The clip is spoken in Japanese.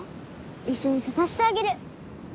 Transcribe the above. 一緒に探してあげる。